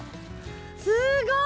すごい！